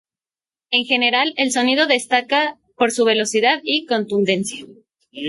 En general, el sonido destaca por su velocidad y contundencia.